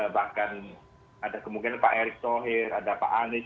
bahkan ada kemungkinan pak erick thohir ada pak anies